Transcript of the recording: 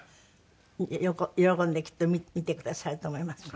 喜んできっと見てくださると思います。